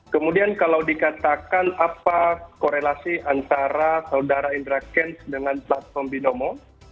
kemudian kalau dikatakan apa korelasi antara saudara indra kents dengan platform binomo